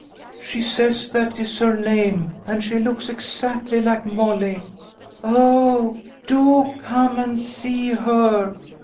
2OQ She says that is her name, and she looks exactly like Molly. Oh, do come and see her!